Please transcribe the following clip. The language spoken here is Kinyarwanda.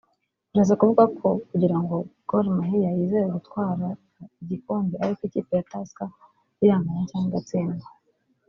Bishatse kuvuga ko kugira ngo Gor Mahia yizere gutwarara igikombe ari uko ikipe ya Tusker iranganya cyangwa igatsindwa